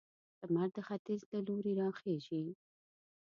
لمر د ختيځ له لوري راخيژي